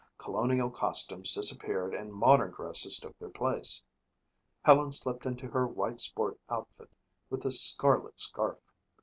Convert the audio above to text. Colonial costumes disappeared and modern dresses took their place. Helen slipped into her white sport outfit with the scarlet scarf.